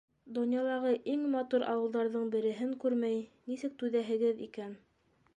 Донъялағы иң матур ауылдарҙың береһен күрмәй нисек түҙәһегеҙ икән?